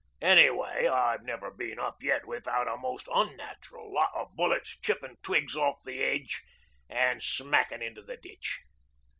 Anyway I've never been up yet without a most un natural lot o' bullets chippin' twigs off the hedge an' smackin' into the ditch.